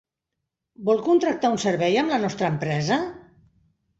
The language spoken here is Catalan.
Vol contractar un servei amb la nostra empresa?